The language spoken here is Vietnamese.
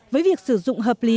với việc sử dụng hợp lý